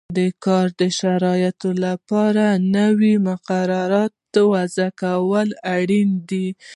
د کاري شرایطو لپاره نویو مقرراتو وضعه کول اړین دي.